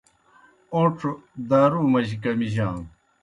اوْن٘ڇَھوْ دارُو مجی کمِجانوْ۔